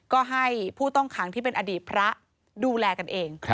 ก็ให้ผู้ต้องขังที่เป็นอดีตพระดูแลกันเอง